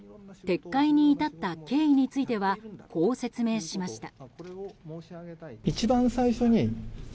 撤回に至った経緯についてはこう説明しました。